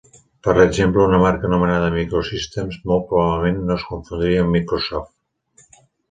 Per exemple, una marca anomenada "Microsystems" molt probablement no es confondria amb Microsoft.